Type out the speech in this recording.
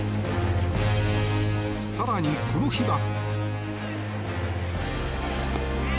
更に、この日は。